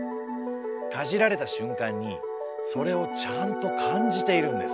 かじられた瞬間にそれをちゃんと感じているんです。